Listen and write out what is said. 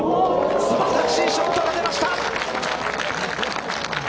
素晴らしいショットが出ました。